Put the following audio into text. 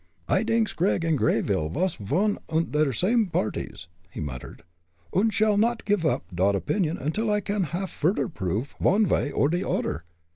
"I dinks Gregg und Greyville vas one und der same parties," he muttered, "und shall not giff up dot opinion until I can haff furder proof von vay or der odder."